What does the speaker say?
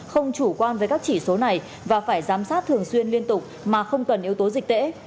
không chủ quan với các chỉ số này và phải giám sát thường xuyên liên tục mà không cần yếu tố dịch tễ